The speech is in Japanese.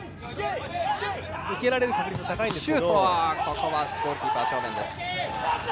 受けられる確率が高いんですけど。